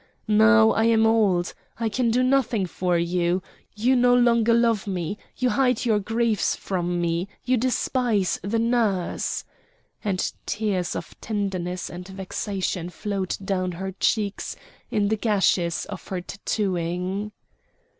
"Now I am old! I can do nothing for you! you no longer love me! you hide your griefs from me, you despise the nurse!" And tears of tenderness and vexation flowed down her cheeks in the gashes of her tattooing.